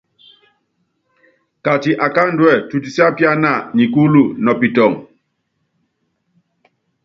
Kati akáandúɛ, tutisiápíana nikúlu nɔ pitɔŋ.